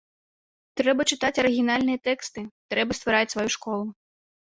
Трэба чытаць арыгінальныя тэксты, трэба ствараць сваю школу.